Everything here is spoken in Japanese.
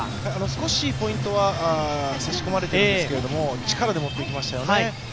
少しポイントは差し込まれていたんですけども力で持っていきましたよね。